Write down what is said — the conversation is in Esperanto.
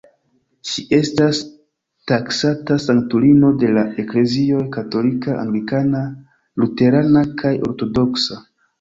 Ŝi estas taksata sanktulino de la eklezioj katolika, anglikana, luterana kaj ortodoksa.